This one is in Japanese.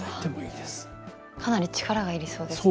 かなり力が要りそうですね。